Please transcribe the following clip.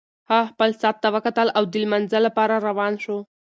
هغه خپل ساعت ته وکتل او د لمانځه لپاره روان شو.